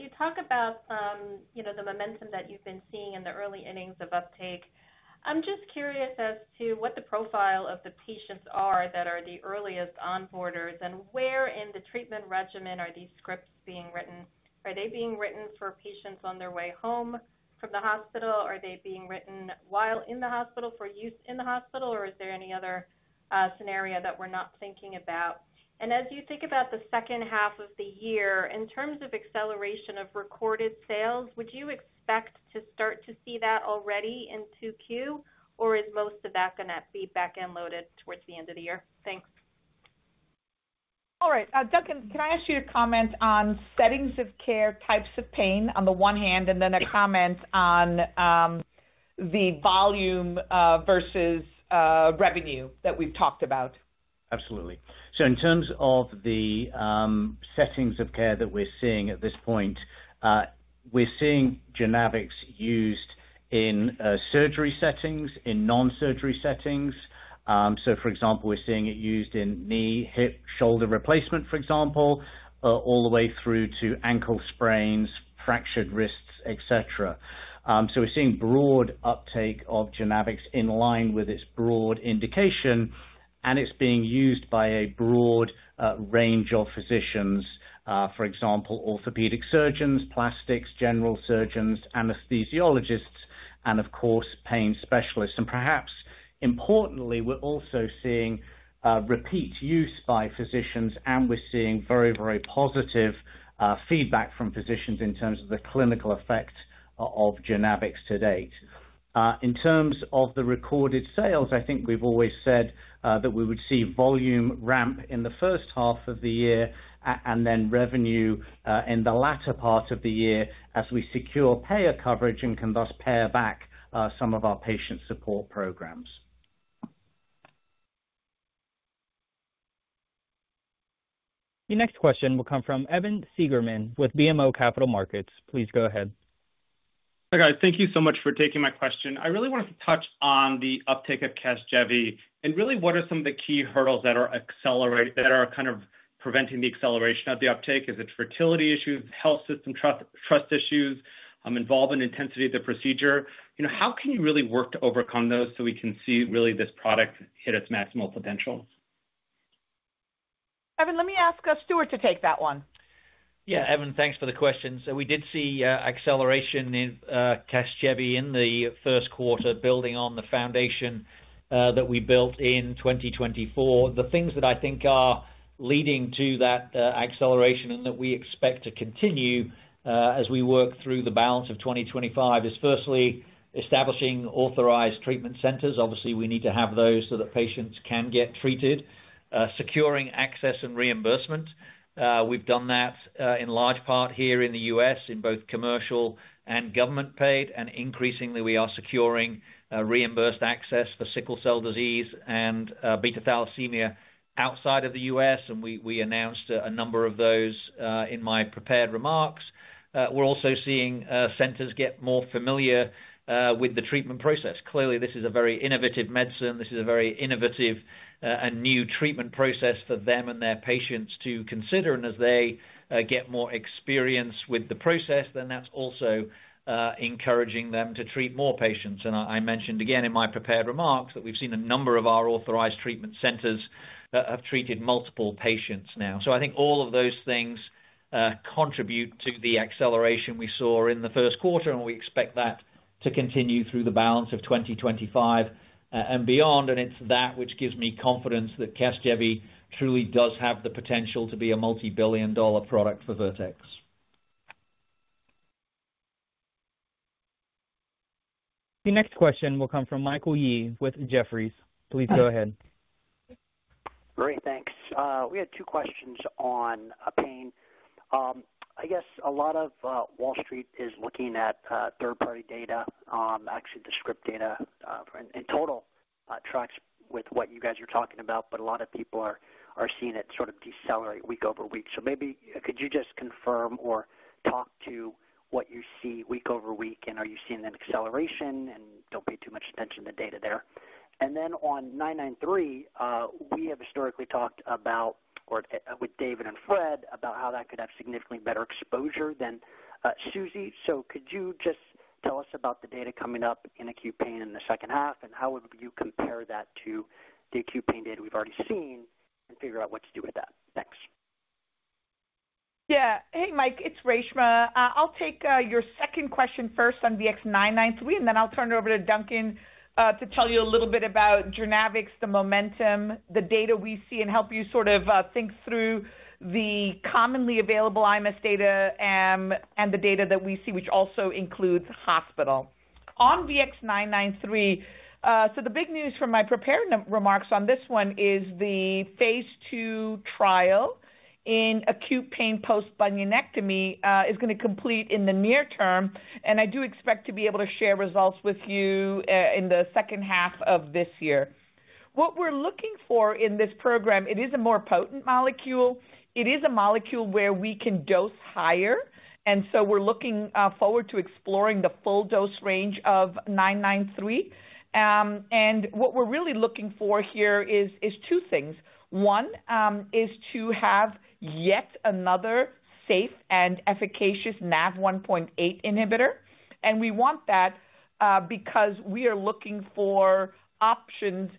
You talk about the momentum that you've been seeing in the early innings of uptake. I'm just curious as to what the profile of the patients are that are the earliest onboarders, and where in the treatment regimen are these scripts being written? Are they being written for patients on their way home from the hospital? Are they being written while in the hospital for use in the hospital? Is there any other scenario that we're not thinking about? As you think about the second half of the year, in terms of acceleration of recorded sales, would you expect to start to see that already in 2Q? Or is most of that going to be back and loaded towards the end of the year? Thanks. All right. Duncan, can I ask you to comment on settings of care, types of pain on the one hand, and then a comment on the volume versus revenue that we've talked about? Absolutely. In terms of the settings of care that we're seeing at this point, we're seeing Journavx used in surgery settings, in non-surgery settings. For example, we're seeing it used in knee, hip, shoulder replacement, for example, all the way through to ankle sprains, fractured wrists, etc. We're seeing broad uptake of Journavx in line with its broad indication, and it's being used by a broad range of physicians. For example, orthopedic surgeons, plastics, general surgeons, anesthesiologists, and of course, pain specialists. Perhaps importantly, we're also seeing repeat use by physicians, and we're seeing very, very positive feedback from physicians in terms of the clinical effect of CASGEVY to date. In terms of the recorded sales, I think we've always said that we would see volume ramp in the first half of the year and then revenue in the latter part of the year as we secure payer coverage and can thus payer back some of our patient support programs. The next question will come from Evan Seigerman with BMO Capital Markets. Please go ahead. Hi, guys. Thank you so much for taking my question. I really wanted to touch on the uptake of CASGEVY. And really, what are some of the key hurdles that are kind of preventing the acceleration of the uptake? Is it fertility issues, health system trust issues, involvement intensity of the procedure? How can you really work to overcome those so we can see really this product hit its maximal potential? Evan, let me ask Stuart to take that one. Yeah, Evan, thanks for the question. We did see acceleration in CASGEVY in the first quarter, building on the foundation that we built in 2024. The things that I think are leading to that acceleration and that we expect to continue as we work through the balance of 2025 is firstly establishing authorized treatment centers. Obviously, we need to have those so that patients can get treated, securing access and reimbursement. We've done that in large part here in the U.S. in both commercial and government paid. Increasingly, we are securing reimbursed access for sickle cell disease and beta thalassemia outside of the U.S. We announced a number of those in my prepared remarks. We're also seeing centers get more familiar with the treatment process. Clearly, this is a very innovative medicine. This is a very innovative and new treatment process for them and their patients to consider. As they get more experience with the process, that's also encouraging them to treat more patients. I mentioned again in my prepared remarks that we've seen a number of our authorized treatment centers have treated multiple patients now. I think all of those things contribute to the acceleration we saw in the first quarter, and we expect that to continue through the balance of 2025 and beyond. It's that which gives me confidence that CASGEVY truly does have the potential to be a multi-billion dollar product for Vertex. The next question will come from Michael Yee with Jefferies. Please go ahead. Great. Thanks. We had two questions on pain. I guess a lot of Wall Street is looking at third-party data, actually the script data. In total, it tracks with what you guys are talking about, but a lot of people are seeing it sort of decelerate week over week. Maybe could you just confirm or talk to what you see week over week, and are you seeing an acceleration? Do not pay too much attention to data there. On 993, we have historically talked about, with David and Fred, about how that could have significantly better exposure than Susie. Could you just tell us about the data coming up in acute pain in the second half, and how would you compare that to the acute pain data we've already seen and figure out what to do with that? Thanks. Yeah. Hey, Mike, it's Reshma. I'll take your second question first on VX-993, and then I'll turn it over to Duncan to tell you a little bit about Journavx, the momentum, the data we see, and help you sort of think through the commonly available IMS data and the data that we see, which also includes hospital. On VX-993, the big news from my prepared remarks on this one is the phase II trial in acute pain post-bunionectomy is going to complete in the near term. I do expect to be able to share results with you in the second half of this year. What we're looking for in this program, it is a more potent molecule. It is a molecule where we can dose higher. We are looking forward to exploring the full dose range of 993. What we're really looking for here is two things. One is to have yet another safe and efficacious NaV1.8 inhibitor. We want that because we are looking for options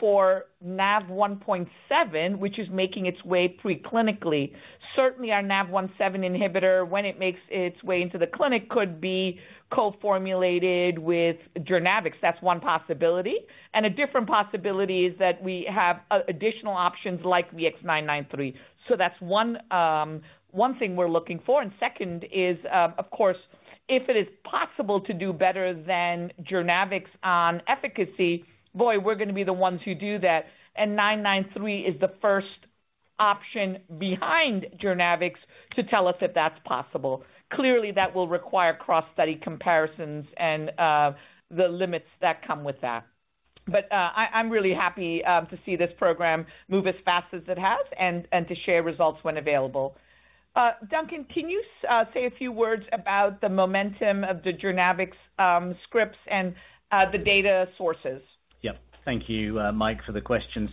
for NaV1.7, which is making its way preclinically. Certainly, our NaV1.7 inhibitor, when it makes its way into the clinic, could be co-formulated with Journavx. That is one possibility. A different possibility is that we have additional options like VX-993. That is one thing we are looking for. Second is, of course, if it is possible to do better than Journavx on efficacy, boy, we are going to be the ones who do that. VX-993 is the first option behind Journavx to tell us if that is possible. Clearly, that will require cross-study comparisons and the limits that come with that. I am really happy to see this program move as fast as it has and to share results when available. Duncan, can you say a few words about the momentum of the Journavx scripts and the data sources? Yep. Thank you, Mike, for the question.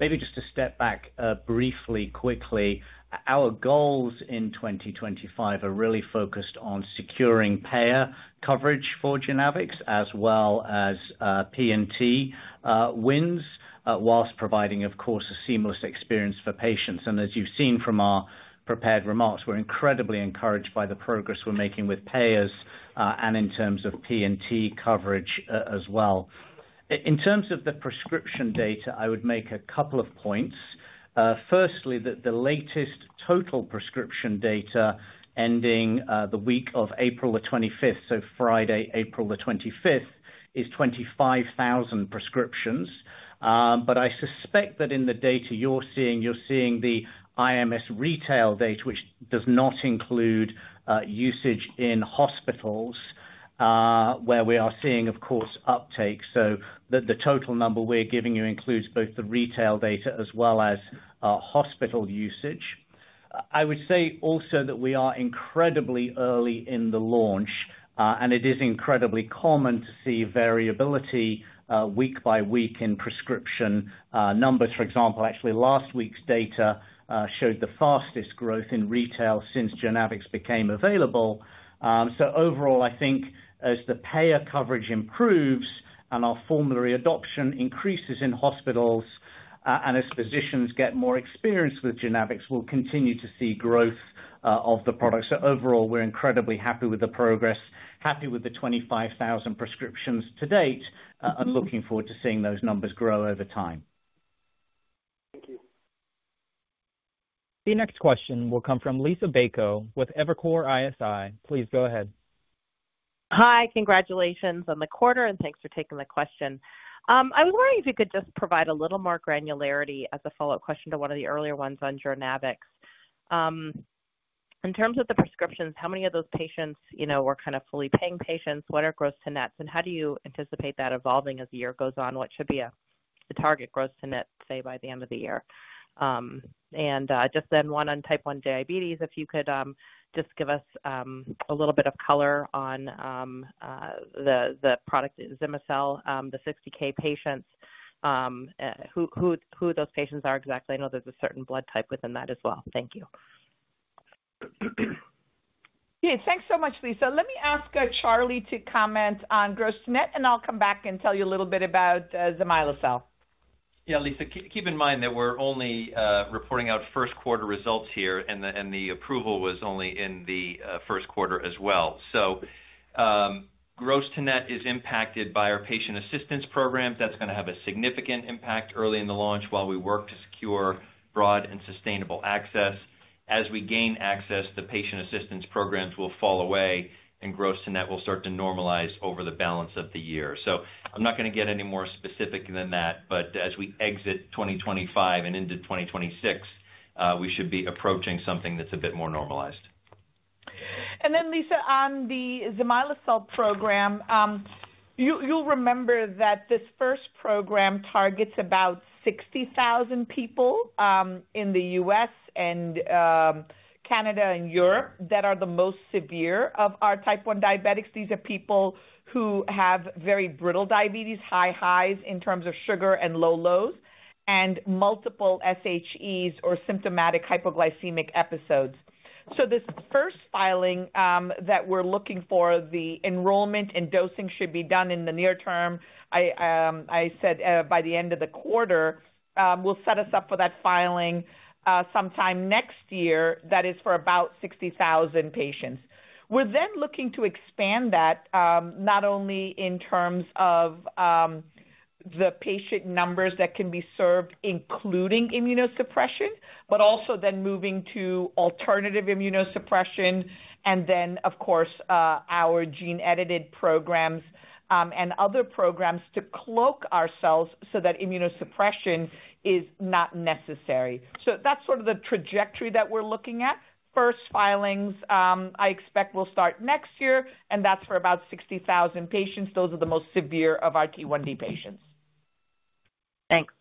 Maybe just to step back briefly, quickly, our goals in 2025 are really focused on securing payer coverage for Journavx as well as P&T wins whilst providing, of course, a seamless experience for patients. As you've seen from our prepared remarks, we're incredibly encouraged by the progress we're making with payers and in terms of P&T coverage as well. In terms of the prescription data, I would make a couple of points. Firstly, the latest total prescription data ending the week of April the 25th, so Friday, April the 25th, is 25,000 prescriptions. I suspect that in the data you're seeing, you're seeing the IMS retail data, which does not include usage in hospitals, where we are seeing, of course, uptake. The total number we're giving you includes both the retail data as well as hospital usage. I would say also that we are incredibly early in the launch, and it is incredibly common to see variability week by week in prescription numbers. For example, actually, last week's data showed the fastest growth in retail since Journavx became available. Overall, I think as the payer coverage improves and our formulary adoption increases in hospitals and as physicians get more experience with Journavx, we'll continue to see growth of the product. Overall, we're incredibly happy with the progress, happy with the 25,000 prescriptions to date, and looking forward to seeing those numbers grow over time. Thank you. The next question will come from Liisa Bayko with Evercore ISI. Please go ahead. Hi. Congratulations on the quarter, and thanks for taking the question. I was wondering if you could just provide a little more granularity as a follow-up question to one of the earlier ones on Journavx. In terms of the prescriptions, how many of those patients were kind of fully paying patients? What are gross to nets? How do you anticipate that evolving as the year goes on? What should be the target gross to net, say, by the end of the year? Just then one on type 1 diabetes, if you could just give us a little bit of color on the product Zimislecel, the 60,000 patients, who those patients are exactly. I know there's a certain blood type within that as well. Thank you. Yeah. Thanks so much, Lisa. Let me ask Charlie to comment on gross to net, and I'll come back and tell you a little bit about Zimislecel. Yeah, Lisa, keep in mind that we're only reporting out first quarter results here, and the approval was only in the first quarter as well. Gross to net is impacted by our patient assistance program. That's going to have a significant impact early in the launch while we work to secure broad and sustainable access. As we gain access, the patient assistance programs will fall away, and gross to net will start to normalize over the balance of the year. I'm not going to get any more specific than that, but as we exit 2025 and into 2026, we should be approaching something that's a bit more normalized. Lisa, on the Zimislecel program, you'll remember that this first program targets about 60,000 people in the U.S. and Canada and Europe that are the most severe of our type 1 diabetics. These are people who have very brittle diabetes, high highs in terms of sugar and low lows, and multiple SHEs or symptomatic hypoglycemic episodes. This first filing that we're looking for, the enrollment and dosing should be done in the near term, I said by the end of the quarter, will set us up for that filing sometime next year. That is for about 60,000 patients. We're then looking to expand that not only in terms of the patient numbers that can be served, including immunosuppression, but also then moving to alternative immunosuppression, and, of course, our gene-edited programs and other programs to cloak ourselves so that immunosuppression is not necessary. That is sort of the trajectory that we're looking at. First filings, I expect will start next year, and that's for about 60,000 patients. Those are the most severe of our T1D patients. Thanks.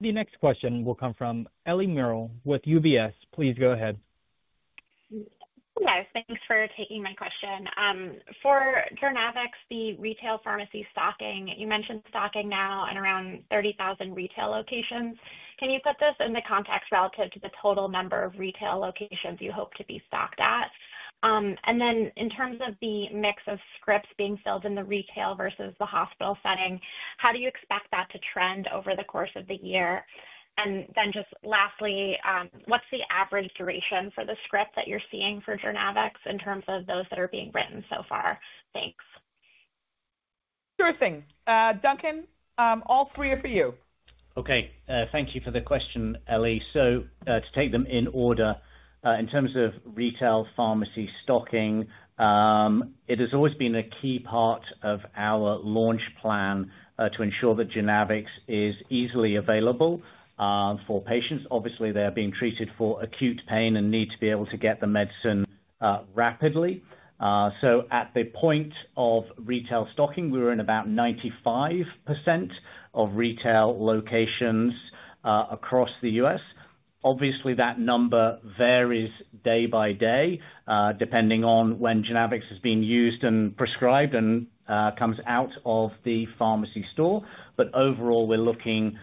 The next question will come from Ellie Merle with UBS. Please go ahead. Hi, guys. Thanks for taking my question. For Journavx, the retail pharmacy stocking, you mentioned stocking now in around 30,000 retail locations. Can you put this in the context relative to the total number of retail locations you hope to be stocked at? In terms of the mix of scripts being filled in the retail versus the hospital setting, how do you expect that to trend over the course of the year? Just lastly, what's the average duration for the script that you're seeing for Journavx in terms of those that are being written so far? Thanks. Sure thing. Duncan, all three are for you. Okay. Thank you for the question, Ellie. To take them in order, in terms of retail pharmacy stocking, it has always been a key part of our launch plan to ensure that Journavx is easily available for patients. Obviously, they are being treated for acute pain and need to be able to get the medicine rapidly. At the point of retail stocking, we were in about 95% of retail locations across the U.S. That number varies day by day depending on when Journavx has been used and prescribed and comes out of the pharmacy store. Overall, we're looking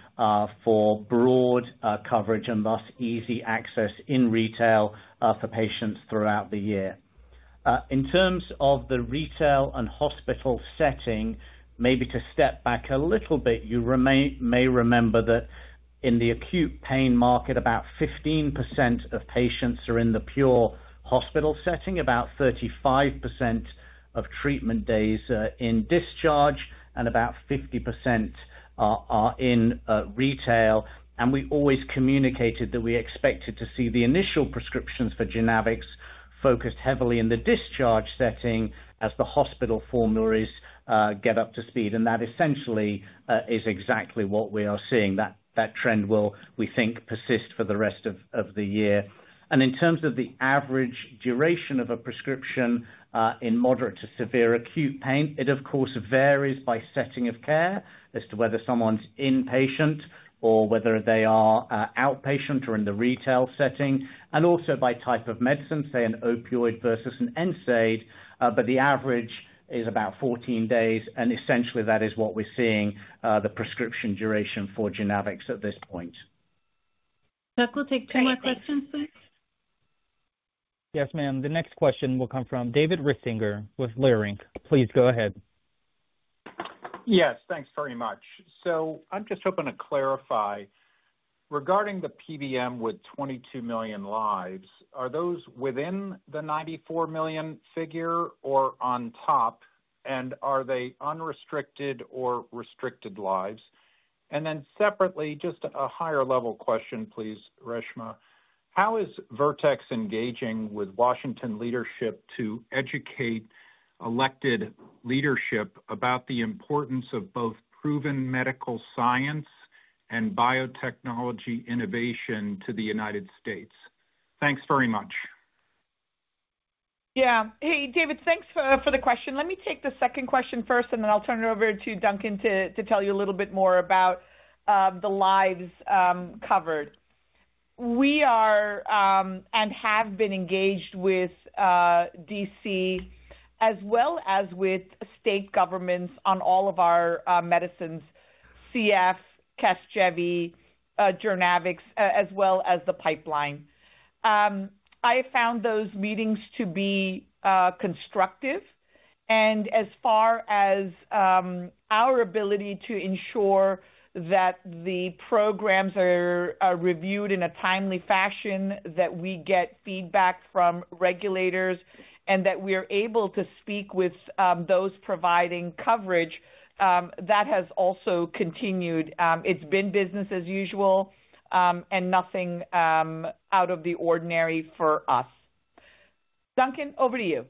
for broad coverage and thus easy access in retail for patients throughout the year. In terms of the retail and hospital setting, maybe to step back a little bit, you may remember that in the acute pain market, about 15% of patients are in the pure hospital setting, about 35% of treatment days are in discharge, and about 50% are in retail. We always communicated that we expected to see the initial prescriptions for Journavx focused heavily in the discharge setting as the hospital formularies get up to speed. That essentially is exactly what we are seeing. That trend will, we think, persist for the rest of the year. In terms of the average duration of a prescription in moderate to severe acute pain, it, of course, varies by setting of care as to whether someone's inpatient or whether they are outpatient or in the retail setting, and also by type of medicine, say an opioid versus an NSAID. The average is about 14 days. Essentially, that is what we're seeing the prescription duration for Journavx at this point. Duncan, take two more questions, please. Yes, ma'am. The next question will come from David Risinger with Leerink. Please go ahead. Yes. Thanks very much. I'm just hoping to clarify regarding the PBM with 22 million lives, are those within the 94 million figure or on top, and are they unrestricted or restricted lives? Separately, just a higher-level question, please, Reshma. How is Vertex engaging with Washington leadership to educate elected leadership about the importance of both proven medical science and biotechnology innovation to the United States? Thanks very much. Yeah. Hey, David, thanks for the question. Let me take the second question first, and then I'll turn it over to Duncan to tell you a little bit more about the lives covered. We are and have been engaged with D.C. as well as with state governments on all of our medicines, CF, CASGEVY, Journavx, as well as the pipeline. I found those meetings to be constructive. As far as our ability to ensure that the programs are reviewed in a timely fashion, that we get feedback from regulators, and that we are able to speak with those providing coverage, that has also continued. It's been business as usual and nothing out of the ordinary for us. Duncan, over to you.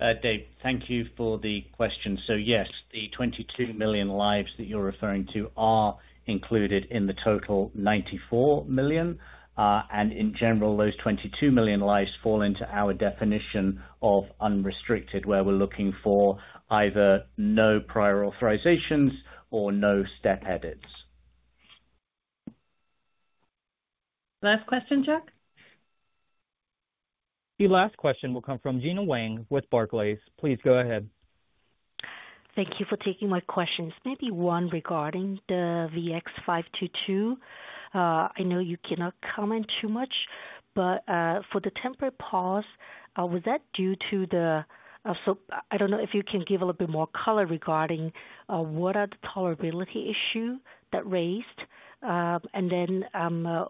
David, thank you for the question. Yes, the 22 million lives that you're referring to are included in the total 94 million. In general, those 22 million lives fall into our definition of unrestricted, where we're looking for either no prior authorizations or no step edits. Last question, Jack. The last question will come from Gena Wang with Barclays. Please go ahead. Thank you for taking my questions. Maybe one regarding the VX-522. I know you cannot comment too much, but for the temporary pause, was that due to the—so I do not know if you can give a little bit more color regarding what are the tolerability issues that raised. That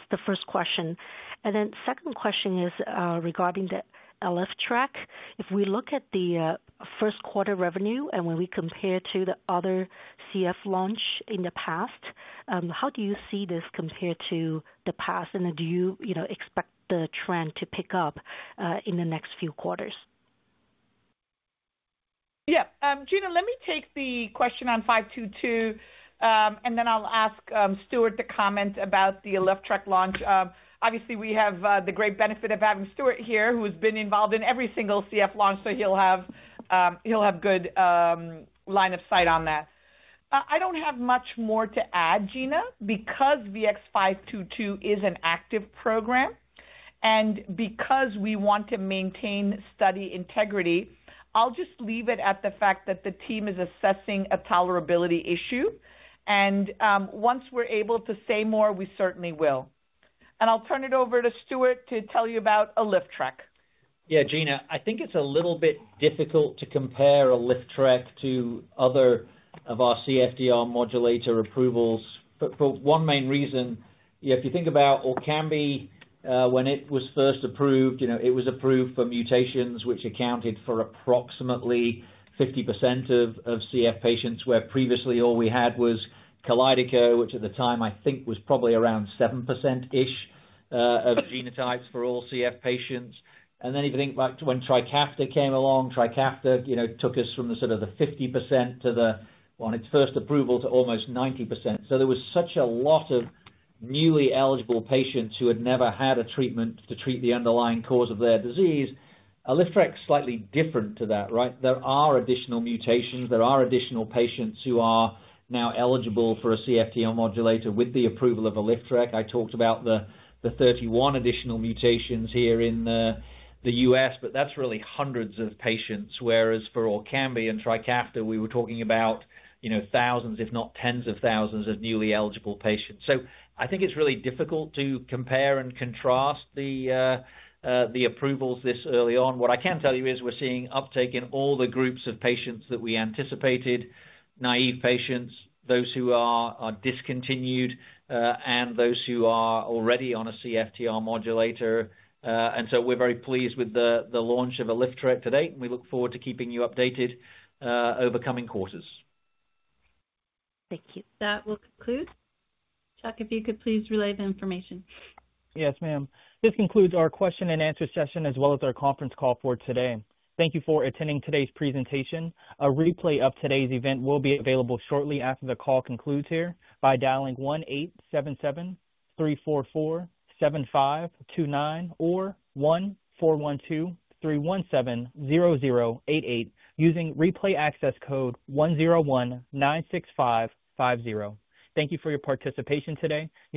is the first question. The second question is regarding the Alyftrek. If we look at the first quarter revenue and when we compare to the other CF launch in the past, how do you see this compared to the past? Do you expect the trend to pick up in the next few quarters? Yeah. Gena, let me take the question on 522, and then I will ask Stuart to comment about the Alyftrek launch. Obviously, we have the great benefit of having Stuart here, who has been involved in every single CF launch, so he'll have good line of sight on that. I do not have much more to add, Gena, because VX-522 is an active program. Because we want to maintain study integrity, I'll just leave it at the fact that the team is assessing a tolerability issue. Once we're able to say more, we certainly will. I'll turn it over to Stuart to tell you about Alyftrek. Yeah, Gena, I think it's a little bit difficult to compare Alyftrek to other of our CFTR modulator approvals for one main reason. If you think about Orkambi, when it was first approved, it was approved for mutations, which accounted for approximately 50% of CF patients, where previously all we had was Kalydeco, which at the time, I think, was probably around 7%-ish of genotypes for all CF patients. If you think back to when Trikafta came along, Trikafta took us from the sort of 50% to the, on its first approval, to almost 90%. There was such a lot of newly eligible patients who had never had a treatment to treat the underlying cause of their disease. Alyftrek is slightly different to that, right? There are additional mutations. There are additional patients who are now eligible for a CFTR modulator with the approval of Alyftrek. I talked about the 31 additional mutations here in the U.S., but that's really hundreds of patients, whereas for Orkambi and Trikafta, we were talking about thousands, if not tens of thousands of newly eligible patients. I think it's really difficult to compare and contrast the approvals this early on. What I can tell you is we're seeing uptake in all the groups of patients that we anticipated: naive patients, those who are discontinued, and those who are already on a CFTR modulator. We are very pleased with the launch of Alyftrek today, and we look forward to keeping you updated over coming quarters. Thank you. That will conclude. Chuck, if you could please relay the information. Yes, ma'am. This concludes our question and answer session as well as our conference call for today. Thank you for attending today's presentation. A replay of today's event will be available shortly after the call concludes by dialing 1-877-344-7529 or 1-412-317-0088 using replay access code 10196550. Thank you for your participation today. You may.